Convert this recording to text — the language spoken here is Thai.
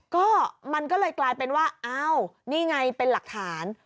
ก็มันก็เลยกลายเป็นว่าอ้าวนี่ไงเป็นหลักฐาน